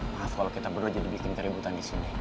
maaf kalau kita berdua jadi bikin keributan di sini